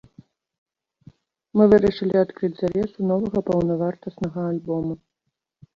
Мы вырашылі адкрыць завесу новага паўнавартаснага альбома.